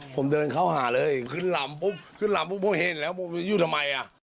ผมเดินเข้าหาเลยขึ้นหล่ำพบเพิ่งเห็นแล้วอยู่ทำไม